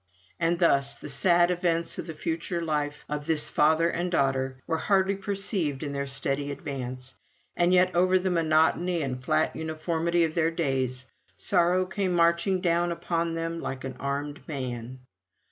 And thus the sad events of the future life of this father and daughter were hardly perceived in their steady advance, and yet over the monotony and flat uniformity of their days sorrow came marching down upon them like an armed man.